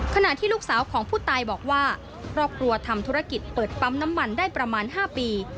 ขณะที่ลูกสาวของผู้ตายบอกว่าครอบครัวทำธุรกิจเปิดปั๊มน้ำมันได้ประมาณ๕ปี